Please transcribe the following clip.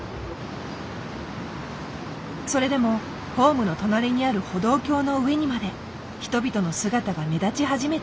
それでもホームの隣にある歩道橋の上にまで人々の姿が目立ち始めていた。